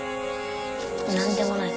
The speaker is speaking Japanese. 何でもない